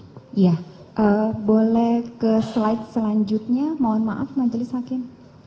iya boleh ke slide selanjutnya mohon maaf majelis hakim